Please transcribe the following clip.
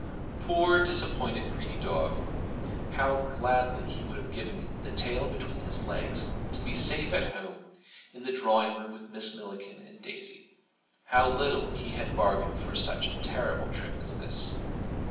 Poor disappointed greedy dog, how gladly he would have given the tail between his legs to be safe at home in the drawing room with Miss Millikin and Daisy! How little he had bargained for such a terrible trip as this!